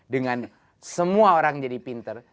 dengan semua orang jadi pinter